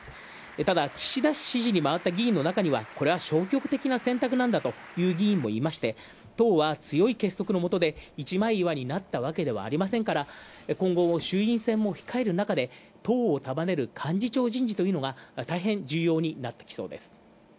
ただ、岸田氏支持に回った議員のなかにはこれは消極的な選択なんだという議員もいまして、党は強い結束のなかで一枚岩になったわけではないので今後、衆議院選も控える中で、党を束ねる、たいへん重要になってきそうです。